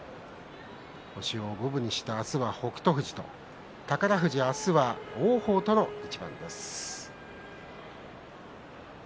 星を五分にして明日は北勝富士と宝富士は王鵬との一番です。